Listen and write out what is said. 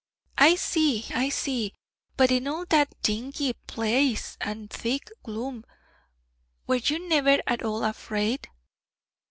'I see, I see. But in all that dingy place, and thick gloom, were you never at all afraid?'